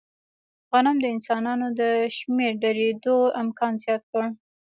غنم د انسانانو د شمېر ډېرېدو امکان زیات کړ.